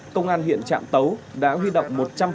công an huyện trạm tấu đã huy động